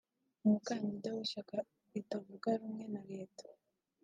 umukandida w’ishyaka ritavuga rumwe na leta